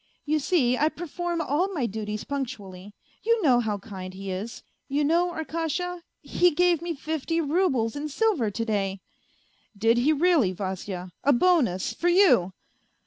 You see, I perform all my duties punctually; you know how kind he is, you know, Arkasha, he gave me fifty roubles in silver to day 1 "" Did he really, Vasya ? A bonus for you